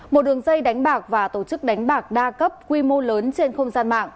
một đường dây đánh bạc và tổ chức đánh bạc đa cấp quy mô lớn trên không gian mạng